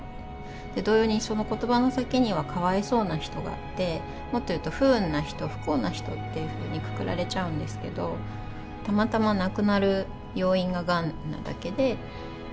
同様にその言葉の先にはかわいそうな人があってもっと言うと不運な人不幸な人っていうふうにくくられちゃうんですけどたまたま亡くなる要因ががんなだけで。